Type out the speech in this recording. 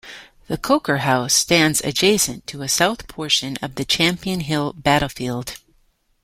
The Coker House stands adjacent to a south portion of the Champion Hill battlefield.